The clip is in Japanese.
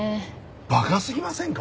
馬鹿すぎませんか？